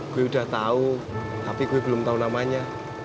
gue udah tahu tapi gue belum tahu namanya